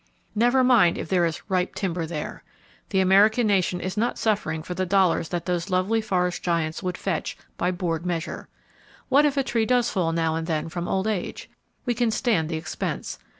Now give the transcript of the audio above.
Never mind if there is "ripe timber" there! The American nation is not suffering for the dollars that those lovely forest giants would fetch by board measure. What if a tree does fall now and then from old age! We can stand the expense.